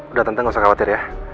udah tante gausah khawatir ya